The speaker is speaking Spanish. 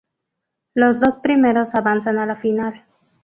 Los dos primeros avanzan a la final.